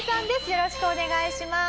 よろしくお願いします。